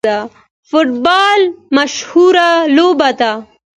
فوټبال مشهوره لوبه ده